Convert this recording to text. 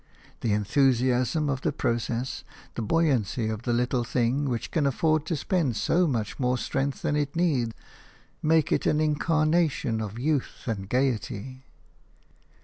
The enthusiasm of the process, the buoyancy of the little thing which can afford to spend so much more strength than it need, make it an incarnation of youth and gaiety.